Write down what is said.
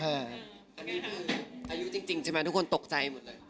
อายุจริงใช่มั้ยทุกคนตกใจหมดเลย